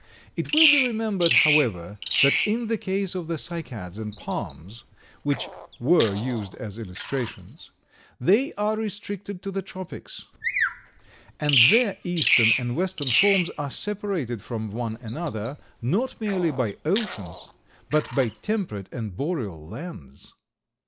It will be remembered, however, that in the case of the Cycads and palms, which were used as illustrations, they are restricted to the tropics, and their eastern and western forms are separated from one another, not merely by oceans, but by temperate and boreal lands.